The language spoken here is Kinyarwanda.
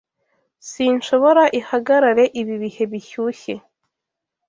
Sinshoboraihagarare ibi bihe bishyushye.